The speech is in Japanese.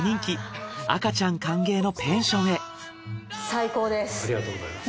最高です。